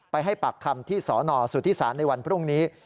ให้ปากคำที่สนสุธิศาลในวันพรุ่งนี้